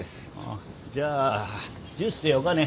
じゃあジュースでよかね。